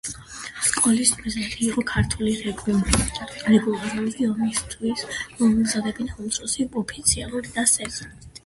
სკოლის მიზანი იყო ქართული რეგულარული არმიისათვის მოემზადებინა უმცროსი ოფიცრები და სერჟანტები.